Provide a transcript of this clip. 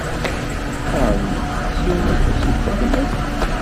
Ɛni s yiwen ufus i txeddmem?